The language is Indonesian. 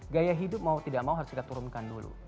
gaya hidup mau tidak mau harus kita turunkan dulu